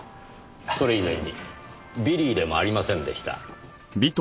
それ以前にビリーでもありませんでした。